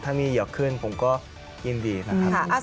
ถ้ามีเหยือกขึ้นผมก็ยินดีนะครับ